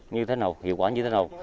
như thế nào hiệu quả như thế nào